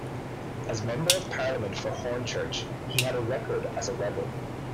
As Member of Parliament for Hornchurch, he had a record as a rebel.